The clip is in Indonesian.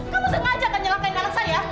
kamu sengaja kan nyalahin anak saya